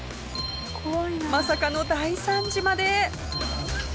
まさかの大惨事まで。